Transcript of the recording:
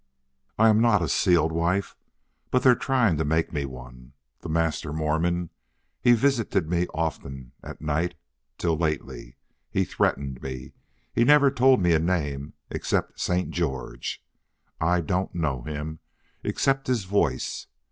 "I am not a sealed wife. But they're trying to make me one. The master Mormon he visited me often at night till lately. He threatened me. He never told me a name except Saint George. I don't know him except his voice.